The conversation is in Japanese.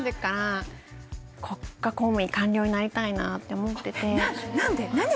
国家公務員官僚になりたいなって思っててな何で？